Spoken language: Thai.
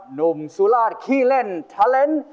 หนุ่มสุราชขี้เล่นทาเลนด์